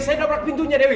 saya dapet pintunya dewi